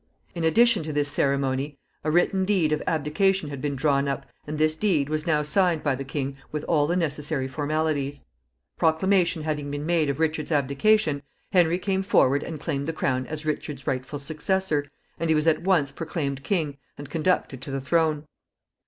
In addition to this ceremony, a written deed of abdication had been drawn up, and this deed was now signed by the king with all the necessary formalities. Proclamation having been made of Richard's abdication, Henry came forward and claimed the crown as Richard's rightful successor, and he was at once proclaimed king, and conducted to the throne.